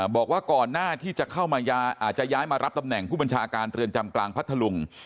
บอกว่าก่อนหน้าที่จะเข้ามาอาจจะย้ายมารับตำแหน่งผู้บัญชาการเรือนจำกลางพัทธลุง